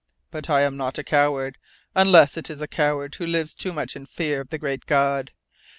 But I am not a coward, unless it is a coward who lives too much in fear of the Great God.